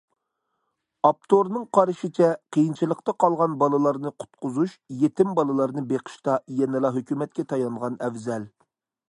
ئاپتورنىڭ قارىشىچە، قىيىنچىلىقتا قالغان بالىلارنى قۇتقۇزۇش، يېتىم بالىلارنى بېقىشتا يەنىلا ھۆكۈمەتكە تايانغان ئەۋزەل.